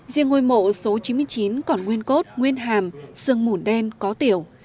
riêng ngôi mộ số chín mươi chín còn nguyên cốt nguyên hàm sương mùn đen có tiểu